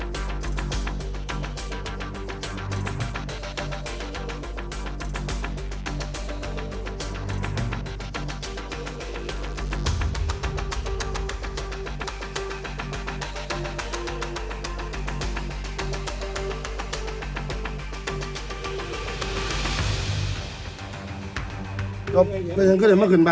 อันดับสุดท้ายก็คืออันดับสุดท้าย